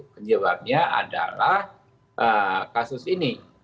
penyebabnya adalah kasus ini